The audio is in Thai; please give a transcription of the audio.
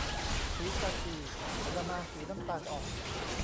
สีกากี ประมาณสีน้ำตาลอ่อน